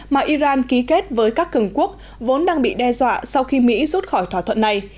mà iran ký kết với các cường quốc vốn đang bị đe dọa sau khi mỹ rút khỏi thỏa thuận này